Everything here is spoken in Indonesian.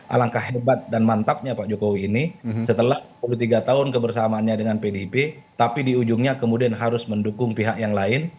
alangkah hebat dan mantapnya pak jokowi ini setelah dua puluh tiga tahun kebersamaannya dengan pdip tapi di ujungnya kemudian harus mendukung pihak yang lain